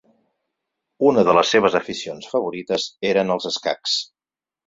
Una de les seves aficions favorites eren els escacs.